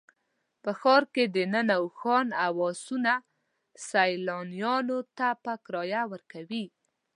په ښار کې دننه اوښان او اسونه سیلانیانو ته په کرایه ورکوي.